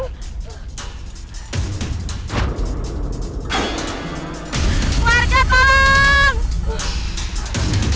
tidak tidak tidak psychiatric n format